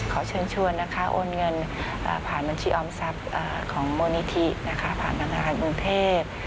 ขอเชิญชวนนะคะโอนเงินผ่านบัญชีออมทรัพย์ของมูลนิธิผ่านธนาคารกรุงเทพ